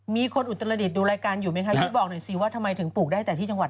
มีคนอุตรดิษฐ์ดูรายการอยู่ไหมคะพี่บอกหน่อยสิว่าทำไมถึงปลูกได้แต่ที่จังหวัด